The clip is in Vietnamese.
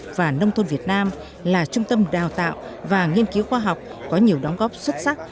học viện nông nghiệp và nông thôn việt nam là trung tâm đào tạo và nghiên cứu khoa học có nhiều đóng góp xuất sắc